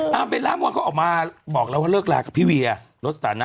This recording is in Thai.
ตามเบลล่าบางทีเขาออกมาบอกเราว่าเลิกลากับพี่เวียรสตาร์น